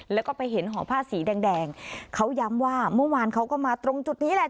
แล้วก็ไปเห็นห่อผ้าสีแดงแดงเขาย้ำว่าเมื่อวานเขาก็มาตรงจุดนี้แหละ